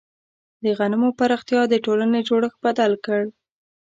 د غنمو پراختیا د ټولنې جوړښت بدل کړ.